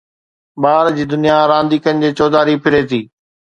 ٻار جي دنيا رانديڪن جي چوڌاري ڦري ٿي